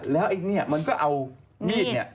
แล้วไอ้เนี่ยมันก็เอามีดเนี่ย